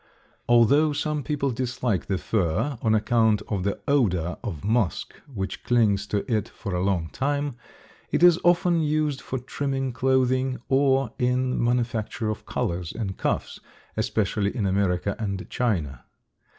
Although some people dislike the fur on account of the odor of musk which clings to it for a long time, it is often used for trimming clothing or in the manufacture of collars and cuffs, especially in America and China.